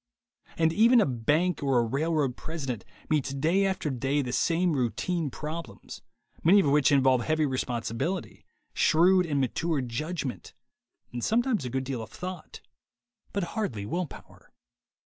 And even a bank or a railroad president meets day after day the same routine problems, many of which involve heavy responsibility, shrewd and mature judgment, and sometimes a good deal of thought, but hardly will power.